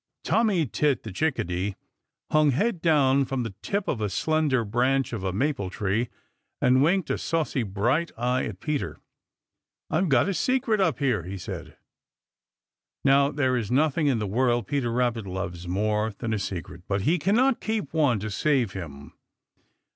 Tommy Tit the Chickadee hung head down from the tip of a slender branch of a maple tree and winked a saucy bright eye at Peter. "I've got a secret up here," he said. Now there is nothing in the world Peter Rabbit loves more than a secret. But he cannot keep one to save him.